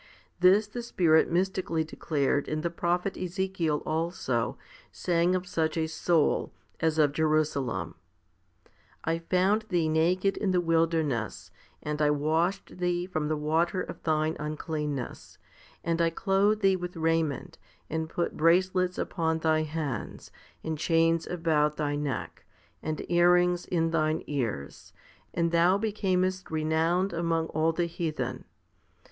This the Spirit mystically declared in the prophet Ezekiel also, saying of such a soul, as of Jerusalem, / found thee naked in the wilderness, and I washed thee from the water of thine uncleanness, and I clothed thee with raiment, and put bracelets upon thy hands, and chains about thy neck, and earrings in thine ears, and thou becamest renowned among all the heathen.